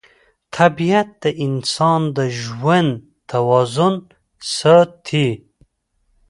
طبیعت د انسان د ژوند توازن ساتي